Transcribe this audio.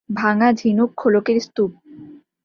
ভাঙা ঝিনুক খোলকের স্তূপ।